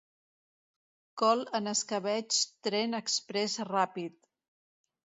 Col en escabetx Tren exprés ràpid